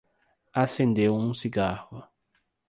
Acendeu um cigarro